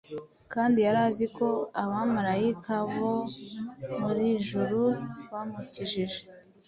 kandi yari azi ko abamarayika bo mu ijuru bamukikije.